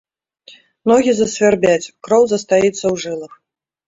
Ногі засвярбяць, кроў застаіцца ў жылах.